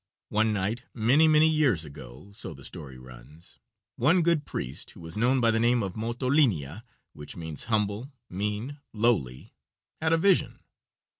One night many, many years ago, so the story runs, one good priest, who was known by the name of Motolinia, which means humble, mean, lowly, had a vision.